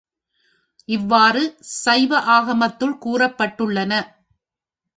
இவ்வாறு சைவ ஆகமத்துள் கூறப்பட்டுள்ளன.